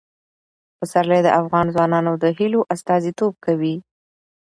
پسرلی د افغان ځوانانو د هیلو استازیتوب کوي.